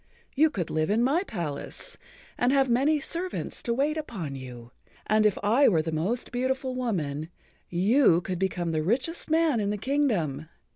You could live in my palace and have many servants to wait upon you, and if I were the most beautiful woman, you could become the richest man in the kingdom.